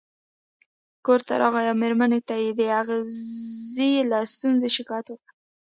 کور ته راغی او مېرمنې ته یې د اغزي له ستونزې شکایت وکړ.